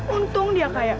untung dia kaya